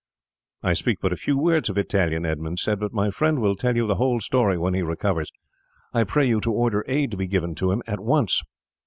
"I speak but a few words of Italian," Edmund said, "but my friend will tell you the whole story when he recovers. I pray you to order aid to be given to him at once."